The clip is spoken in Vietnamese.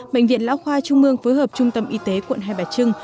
bệnh viện lão khoa trung mương phối hợp trung tâm y tế quận hai bà trưng